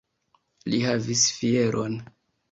Li havis fieron!